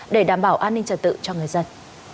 để đảm bảo an ninh trật tự cho người dân